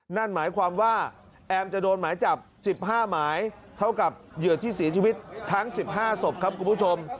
นั่นหมายความว่าแอมจะโดนหมายจับ๑๕หมายเท่ากับเหยื่อที่เสียชีวิตทั้ง๑๕ศพครับคุณผู้ชม